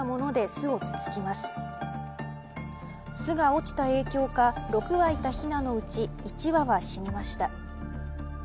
巣が落ちた影響か６羽いたひなのうち１羽が死にました。